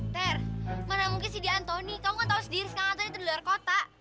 ter mana mungkin sih dia antoni kamu tau sendiri sekarang antoni tuh luar kota